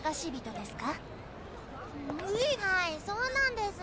はいそうなんです。